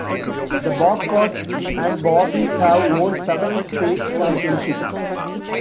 The Bobcats and Bobbies have won several state championships.